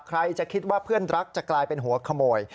ใครจะคิดว่าเพื่อนรักจะกลายเป็นหัวขโมย